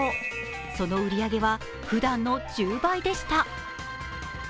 その売り上げはふだんの１０倍でした。